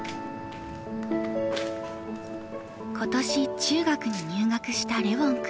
今年中学に入学したレウォン君。